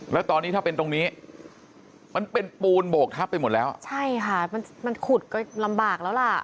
แล้วตอนนี้ถ้าเป็นตรงนี้มันเป็นปูนโบกทับไปหมดแล้วใช่ค่ะมันมันขุดก็ลำบากแล้วล่ะ